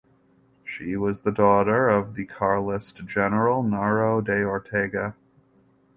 She was the daughter of the Carlist general Narro de Ortega.